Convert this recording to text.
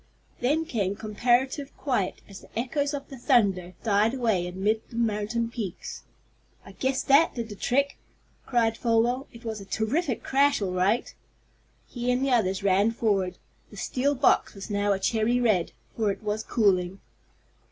Then came comparative quiet, as the echoes of the thunder died away amid the mountain peaks. "I guess that did the trick!" cried Folwell. "It was a terrific crash all right!" He and the others ran forward. The steel box was now a cherry red, for it was cooling.